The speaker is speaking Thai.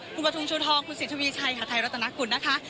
พูดมาถึงชูทองคุณศิษฐวีชัยค่ะไทรรัตนาคุณนะคะ